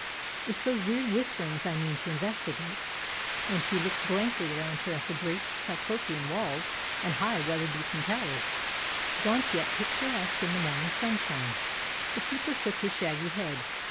It's those weird whisperings I mean to investigate." And she looked blankly around her at the great, cyclopean walls and high, weather beaten towers, gaunt yet picturesque in the morning sunshine. The keeper shook his shaggy head.